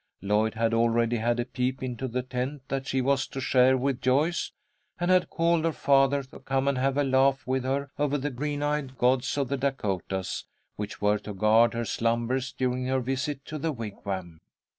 Lloyd had already had a peep into the tent that she was to share with Joyce, and had called her father to come and have a laugh with her over the green eyed gods of the Dacotahs which were to guard her slumbers during her visit to the Wigwam.